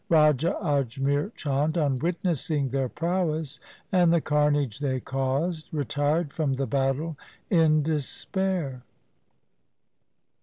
Raja Ajmer Chand, on witnessing their prowess and the carnage they caused, retired from the battle in despair.